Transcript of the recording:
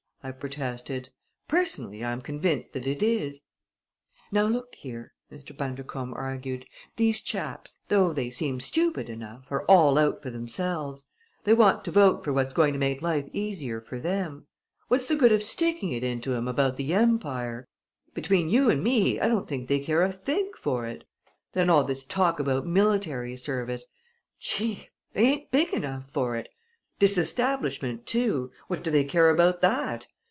I protested. "Personally, I am convinced that it is." "Now look here!" Mr. Bundercombe argued; "these chaps, though they seem stupid enough, are all out for themselves. They want to vote for what's going to make life easier for them. What's the good of sticking it into 'em about the Empire! Between you and me I don't think they care a fig for it. Then all this talk about military service Gee! They ain't big enough for it! Disestablishment too what do they care about that!